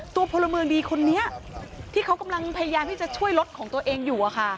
พลเมืองดีคนนี้ที่เขากำลังพยายามที่จะช่วยรถของตัวเองอยู่